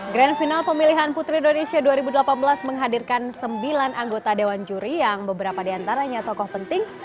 grand final pemilihan putri indonesia dua ribu delapan belas menghadirkan sembilan anggota dewan juri yang beberapa diantaranya tokoh penting